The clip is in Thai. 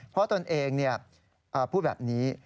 เพราะตนเองเนี่ยพูดแบบนี้